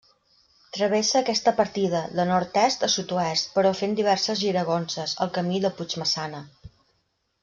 Travessa aquesta partida, de nord-est a sud-oest, però fent diverses giragonses, el Camí de Puigmaçana.